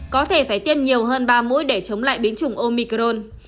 có thể phải tiêm nhiều hơn ba mũi để chống lại biến chủng omicron